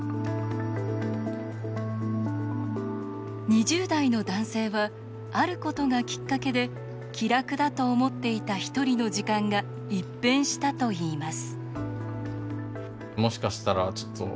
２０代の男性はあることがきっかけで気楽だと思っていたひとりの時間が一変したといいます。